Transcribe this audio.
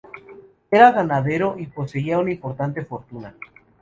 Era ganadero y poseía una importante fortuna.